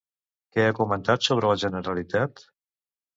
Què ha comentat sobre la Generalitat?